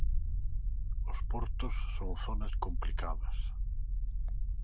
Os portos son zonas complicadas.